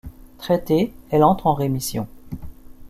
Traitée, elle entre en rémission.